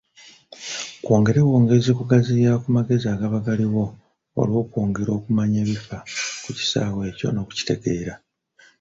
Kwongera bwongezi kugaziya ku magezi agaba galiwo olwokwongera okumanya ebifa ku kisaawe ekyo n’okukitegeera.